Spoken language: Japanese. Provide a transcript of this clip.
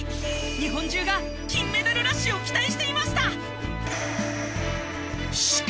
日本中が金メダルラッシュを期待していました。